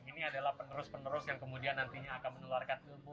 ini adalah penerus penerus yang kemudian nantinya akan menularkan ilmu